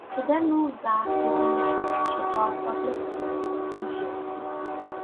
She then moved back to Wheeling where she taught public school for two years.